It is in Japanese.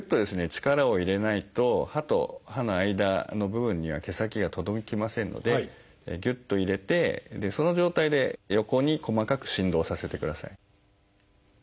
力を入れないと歯と歯の間の部分には毛先が届きませんのでぎゅっと入れてその状態で横に細かく振動させてください。